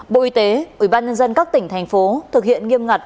bộ y tế ủy ban nhân dân các tỉnh thành phố thực hiện nghiêm ngặt